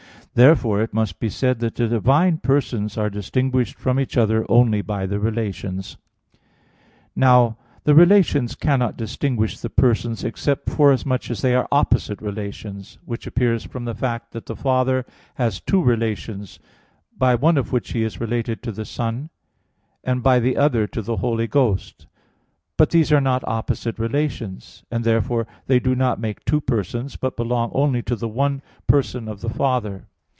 Therefore it must be said that the divine persons are distinguished from each other only by the relations. Now the relations cannot distinguish the persons except forasmuch as they are opposite relations; which appears from the fact that the Father has two relations, by one of which He is related to the Son, and by the other to the Holy Ghost; but these are not opposite relations, and therefore they do not make two persons, but belong only to the one person of the Father.